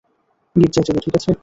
গির্জায় চলো, ঠিক আছে?